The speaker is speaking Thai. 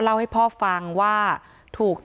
ไม่มีไม่มีไม่มี